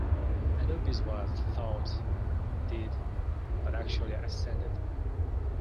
Anubis was thought dead but actually ascended.